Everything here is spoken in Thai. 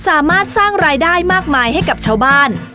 สร้างรายได้มากมายให้กับชาวบ้าน